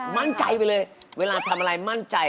มั่นใจไปเลยเวลาทำอะไรมั่นใจ